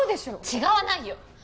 違わないよ。